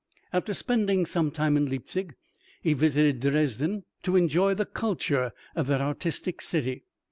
After spending some time in Leipzig, he visited Dresden to enjoy the culture of that artistic city.